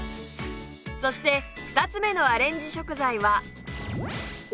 そして２つ目のアレンジ食材はお酢